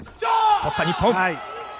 取った、日本！